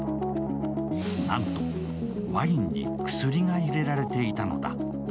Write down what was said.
なんとワインに薬が入れられていたのだ。